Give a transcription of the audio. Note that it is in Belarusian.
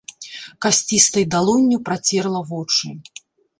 Касцістай далонню працерла вочы.